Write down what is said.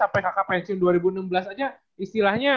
sampai kakak pensiun dua ribu enam belas aja istilahnya